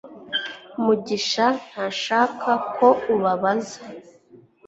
mugisha ntashaka ko ubabaza